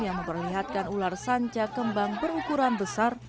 yang memperlihatkan ular sanca kembang berukuran besar